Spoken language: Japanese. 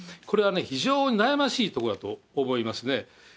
これは非常に悩ましいところだと思いますね。